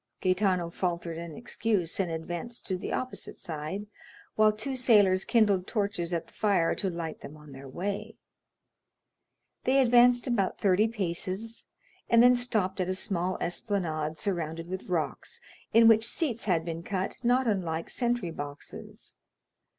Gaetano faltered an excuse, and advanced to the opposite side, while two sailors kindled torches at the fire to light them on their way. They advanced about thirty paces, and then stopped at a small esplanade surrounded with rocks, in which seats had been cut, not unlike sentry boxes.